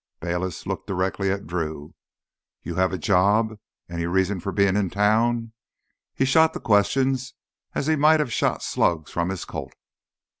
Bayliss looked directly at Drew. "You have a job? A reason for being in town?" He shot the questions as he might have shot slugs from his Colt.